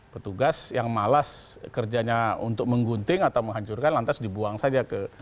petugas yang malas kerjanya untuk menggunting atau menghancurkan lantas dibuang saja ke